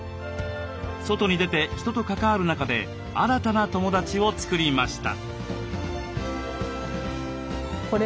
外に出て人と関わる中で新たな友だちを作りました。